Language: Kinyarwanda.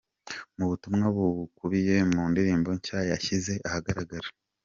Mu butumwa bukubiye mu ndirimbo nshya yashyize ahagaragara.